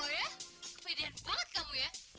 oh ya kepedean banget kamu ya